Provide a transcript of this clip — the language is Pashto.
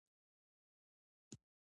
ایا زما روژه ماتیږي که وینه ورکړم؟